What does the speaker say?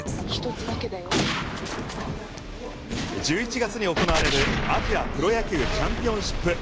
１１月に行われるアジアプロ野球チャンピオンシップ。